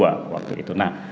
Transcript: yang menarik disini